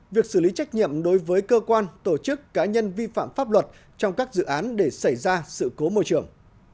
việc xử lý trách nhiệm đối với cơ quan tổ chức cá nhân vi phạm pháp luật trong các dự án để xảy ra sự cố môi trường